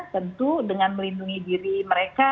tentu dengan melindungi diri mereka